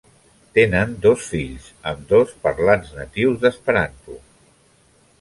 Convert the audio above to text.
Tenen dos fills, ambdós parlants natius d'esperanto.